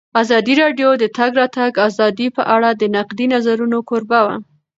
ازادي راډیو د د تګ راتګ ازادي په اړه د نقدي نظرونو کوربه وه.